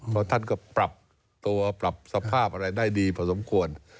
เพราะท่านก็ปรับตัวปรับสภาพอะไรได้ดีพอสมควร